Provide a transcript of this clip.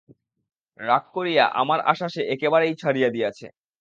রাগ করিয়া আমার আশা সে একেবারেই ছাড়িয়া দিয়াছে।